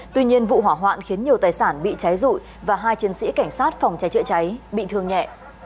tuy nhiên vụ hỏa hoạn khiến nhiều tài sản bị cháy rụi và hai chiến sĩ cảnh sát phòng cháy chữa cháy bị thương nhẹ